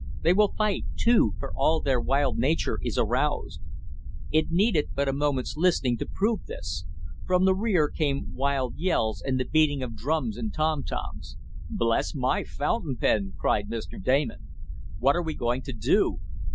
They will fight too, for all their wild nature is aroused." It needed but a moment's listening to prove this. From the rear came wild yells and the beating of drums and tom toms. "Bless my fountain pen!" cried Mr. Damon. "What are we going to do?"